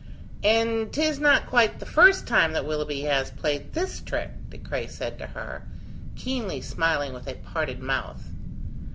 "And 'tis not quite the first time that Willoughby has played this trick!" De Craye said to her, keenly smiling with a parted mouth.